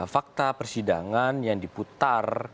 fakta persidangan yang diputar